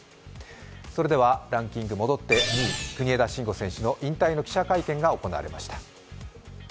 それでは２位、国枝慎吾選手の引退の記者会見が行われました。